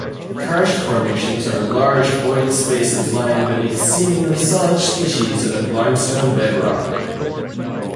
Karst formations are large void spaces lying beneath seemingly solid species of limestone bedrock.